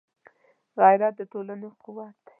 غیرت د ټولنې قوت دی